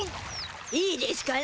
いいでしゅかな？